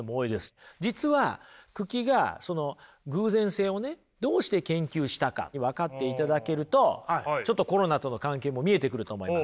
実は九鬼がその偶然性をねどうして研究したか分かっていただけるとちょっとコロナとの関係も見えてくると思います